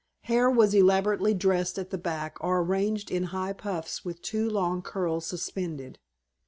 Hair was elaborately dressed at the back or arranged in high puffs with two long curls suspended.